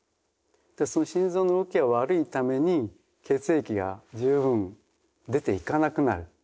でその心臓の動きが悪いために血液が十分出ていかなくなる。